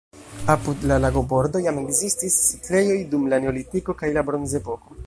Apud la lagobordo jam ekzistis setlejoj dum la neolitiko kaj la bronzepoko.